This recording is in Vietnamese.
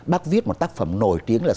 bác viết một tác phẩm nổi tiếng là